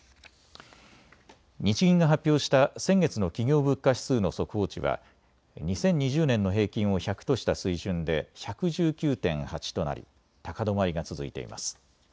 日銀が発表した先月の企業物価指数の速報値は２０２０年の平均を１００とした水準で１１９．８となり高止まりが続いています。